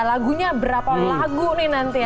lagunya berapa lagu nih nanti ya